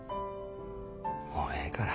もうええから。